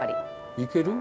いける？